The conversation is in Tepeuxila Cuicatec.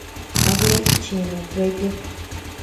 ¿A bea itcheanu kuete?